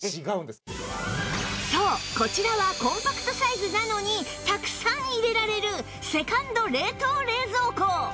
そうこちらはコンパクトサイズなのにたくさん入れられるセカンド冷凍・冷蔵庫